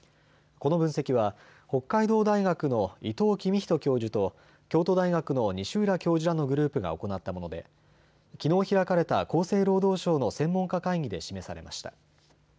この分析は北海道大学の伊藤公人教授と京都大学の西浦教授らのグループが行ったものできのう開かれた厚生労働省の専門家会議で示されました。